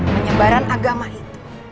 penyebaran agama itu